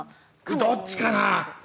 どっちかな？